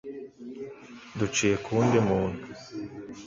duciye ku wundi muntu,